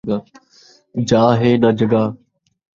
جاہ ہے ناں جاگہ